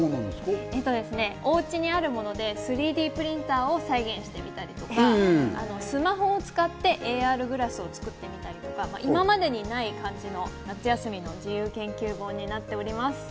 おうちにあるもので３Ｄプリンターを再現してみたり、スマホを使ってＡＲグラスを作ったり、今までにない感じの夏休みの自由研究本になっております。